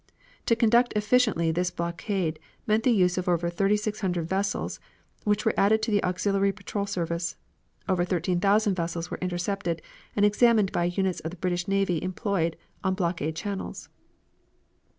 To conduct efficiently this blockade meant the use of over 3,600 vessels which were added to the auxiliary patrol service. Over 13,000 vessels were intercepted and examined by units of the British navy employed on blockade channels.